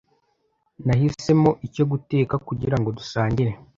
Nahisemo icyo guteka kugirango dusangire.